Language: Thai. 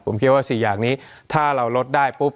ผมคิดว่า๔อย่างนี้ถ้าเราลดได้ปุ๊บ